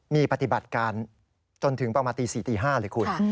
มีปฏิบัติการจนถึงประมาณตี๔ตี๕เลยคุณ